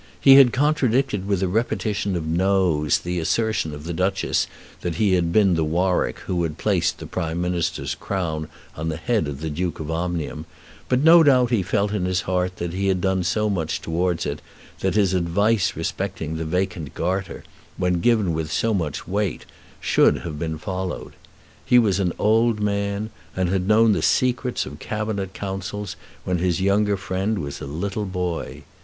He had contradicted with a repetition of noes the assertion of the Duchess that he had been the Warwick who had placed the Prime Minister's crown on the head of the Duke of Omnium, but no doubt he felt in his heart that he had done so much towards it that his advice respecting the vacant Garter, when given with so much weight, should have been followed. He was an old man, and had known the secrets of Cabinet Councils when his younger friend was a little boy.